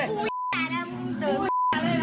จันยบันไอ้เหรอ